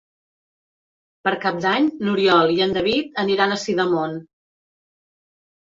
Per Cap d'Any n'Oriol i en David aniran a Sidamon.